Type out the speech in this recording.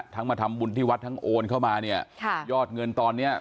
มาทำบุญที่วัดทั้งโอนเข้ามาเนี่ยค่ะยอดเงินตอนเนี้ย